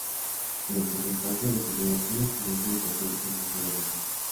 Durante su infancia recibió una excelente educación en su ciudad natal.